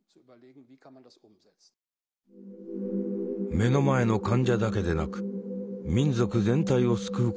「目の前の患者だけでなく民族全体を救うことができる」。